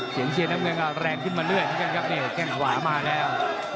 เสียงเชียร์น้ำเงินแรงขึ้นมาเรื่อยเหมือนกันครับเนี่ยแข้งขวามาแล้ว